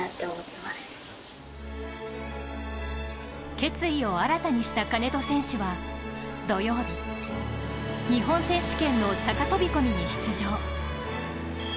決意を新たにした金戸選手は土曜日、日本選手権の高飛び込みに出場。